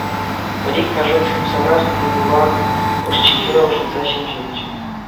Пӗр-ик кашӑк сыпсанах, Микулан ӑшчикӗ ӑшӑнса ҫемҫелчӗ.